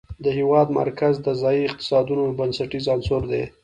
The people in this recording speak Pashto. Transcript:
د هېواد مرکز د ځایي اقتصادونو یو بنسټیز عنصر دی.